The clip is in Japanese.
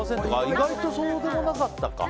意外とそうでもなかったか。